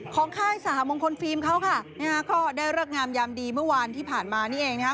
ค่ายสหมงคลฟิล์มเขาค่ะนะฮะก็ได้เลิกงามยามดีเมื่อวานที่ผ่านมานี่เองนะคะ